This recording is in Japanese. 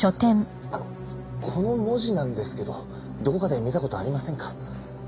あのこの文字なんですけどどこかで見た事ありませんか？